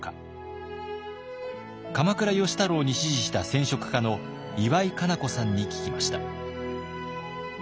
鎌倉芳太郎に師事した染織家の岩井香楠子さんに聞きました。